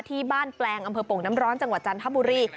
ที่บ้านแปลงอำเภอโป่งน้ำร้อนจังหวัดจันทบุรี